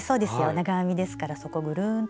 長編みですからそこぐるんと。